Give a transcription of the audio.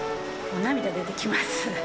涙出てきます。